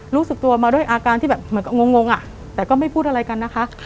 รู้สึกตัวมาด้วยอาการที่แบบเหมือนกับงงอ่ะแต่ก็ไม่พูดอะไรกันนะคะ